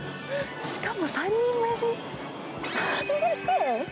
しかも３人前で３００円。